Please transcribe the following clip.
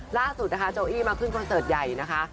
ล่าสุดนะคะโจอี้มาขึ้นคอนเสิร์ตใหญ่นะคะ